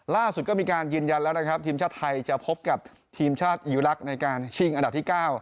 ล่าสุดก็มีการยืนยันแล้วนะครับทีมชาติไทยจะพบกับทีมชาติอีลักษณ์ในการชิงอันดับที่๙